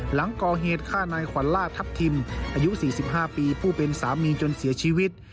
หลังก่อเหตุฆ่านายขวัญล่าทัพทิมอายุ๔๕ปีผู้เป็นสามีจนเสียชีวิต